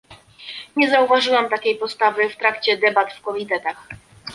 Nie zauważyłam takiej postawy w trakcie debat w komitetach